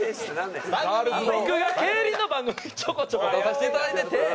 僕が競輪の番組ちょこちょこ出させていただいてて。